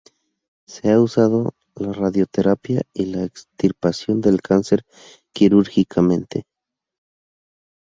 Se ha usado la radioterapia y la extirpación del cáncer quirúrgicamente.